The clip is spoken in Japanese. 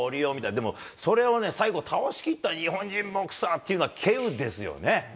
でも、それをね、最後倒し切った日本人ボクサーっていうのは、けうですよね。